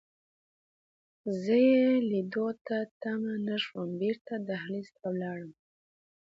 زه یې لیدو ته تم نه شوم، بیرته دهلېز ته ولاړم.